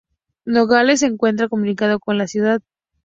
Nogales se encuentra comunicado con la Cd.